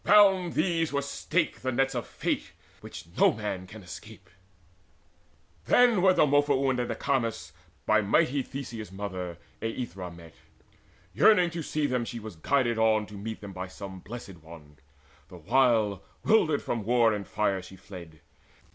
Round these were staked The nets of Fate, which no man can escape. Then were Demophoon and Acamas By mighty Theseus' mother Aethra met. Yearning to see them was she guided on To meet them by some Blessed One, the while 'Wildered from war and fire she fled.